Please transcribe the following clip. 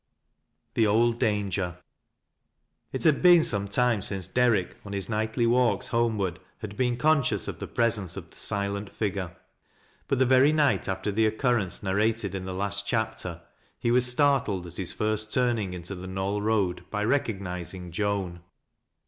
THE OLD DANGEE. It had been some time since Derrick or. his nightlj valks homeward had been conscious of the presence oi the silent figure ; but the very night after the occurrence narrated in the last chapter, he was startled at his first turning into the Knoll Eoad by recognizing Joan.